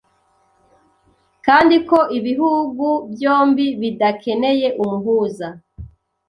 kandi ko ibihugu byombi bidakeneye umuhuza